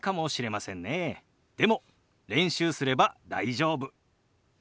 でも練習すれば大丈夫。